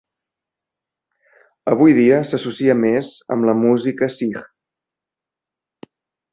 Avui dia s'associa més amb la música sikh.